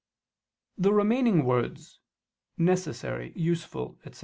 The remaining words, "necessary, useful," etc.